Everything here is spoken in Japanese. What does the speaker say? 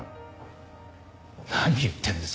何言ってんですか。